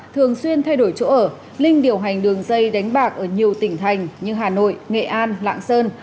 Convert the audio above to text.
thường xuyên thay đổi chỗ ở linh điều hành đường dây đánh bạc ở nhiều tỉnh thành như hà nội nghệ an lạng sơn